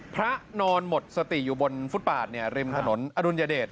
พระนอนหมดสติอยู่บนฟุตปาดเนี่ยริมถนนอดุญาเดช